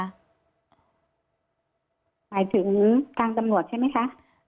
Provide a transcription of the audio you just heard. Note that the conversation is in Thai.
หมายถึงทางตำรวจใช่ไหมคะ